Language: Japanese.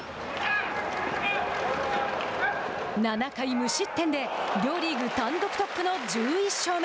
７回無失点で両リーグ単独トップの１１勝目。